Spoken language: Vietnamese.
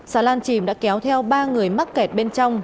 xà lan chìm đã kéo theo ba người mắc kẹt bên trong